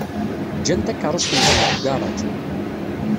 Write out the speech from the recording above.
Ǧǧan takeṛṛust-nsen deg ugaṛaj.